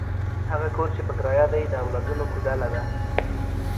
هغه کور چې په کرایه دی، د اولادونو کوډله ده.